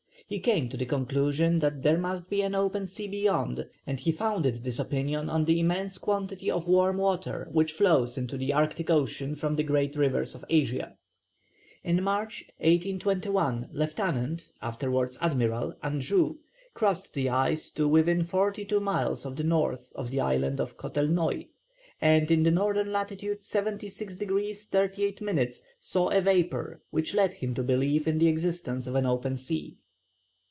He came to the conclusion that there must be an open sea beyond, and he founded this opinion on the immense quantity of warm water which flows into the Arctic Ocean from the great rivers of Asia. In March, 1821, Lieutenant (afterwards Admiral) Anjou crossed the ice to within forty two miles of the north of the island of Kotelnoï, and in N. lat. 76 degrees 38 minutes saw a vapour which led him to believe in the existence of an open sea.